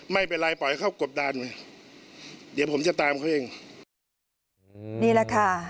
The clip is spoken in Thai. ไม่เป็นไรปล่อยเข้ากบดานเดี๋ยวผมจะตามเขาเองอืมนี่แหละค่ะ